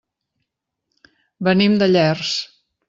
Venim de Llers.